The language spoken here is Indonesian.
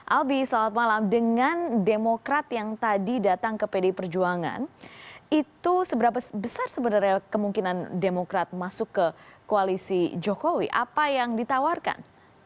albi selamat malam dengan demokrat yang tadi datang ke pdi perjuangan itu seberapa besar sebenarnya kemungkinan demokrat masuk ke koalisi jokowi apa yang ditawarkan